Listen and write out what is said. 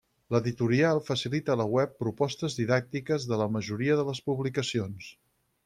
L'editorial facilita a la web propostes didàctiques de la majoria de les publicacions.